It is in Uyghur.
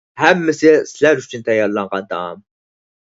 ھەممىسى سىلەر ئۈچۈن تەييارلانغان تائام.